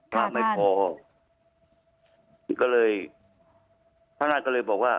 ภาพไม่พอก็เลยพระนาฏก็เลยบอกว่า